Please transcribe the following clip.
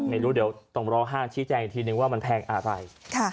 ไม่รู้เดี๋ยวต้องรอห้างชี้แจงอีกทีนึงว่ามันแพงอะไร